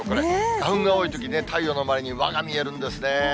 花粉が多いときね、太陽の周りに輪が見えるんですね。